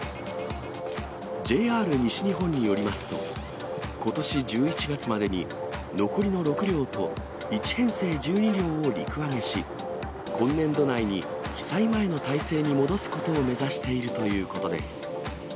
ＪＲ西日本によりますと、ことし１１月までに残りの６両と、１編成１２両を陸揚げし、今年度内に、被災前の体制に戻すことを目指しているということです。